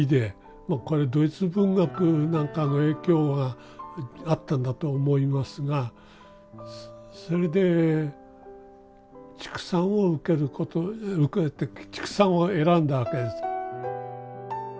まあこれドイツ文学なんかの影響があったんだと思いますがそれで畜産を受けて畜産を選んだわけです。